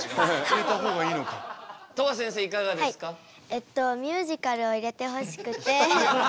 えっとミュージカルを入れてほしくて。